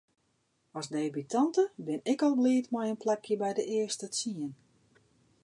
As debutante bin ik al bliid mei in plakje by de earste tsien.